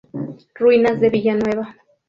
Ruinas de Villanueva.